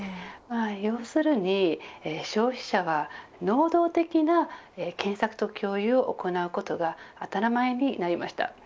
要するに消費者は能動的な検索と共有を行うことが当たり前になりました。